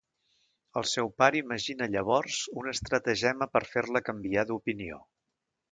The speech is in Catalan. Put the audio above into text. El seu pare imagina llavors un estratagema per fer-la canviar d'opinió.